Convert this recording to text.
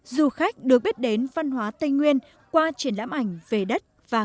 du khách được biết đến văn hóa tây nguyên qua triển lãm ảnh về đất văn hóa